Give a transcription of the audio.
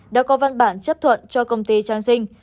đã có văn bản chấp thuận cho công ty trang sinh